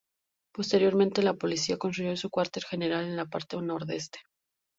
Posteriormente, la policía construyó su cuartel general en la parte nordeste.